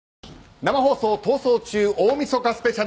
生放送「逃走中」大みそかスペシャル。